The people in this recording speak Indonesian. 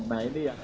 nah ini ya